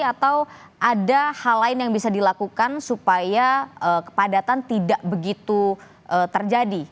atau ada hal lain yang bisa dilakukan supaya kepadatan tidak begitu terjadi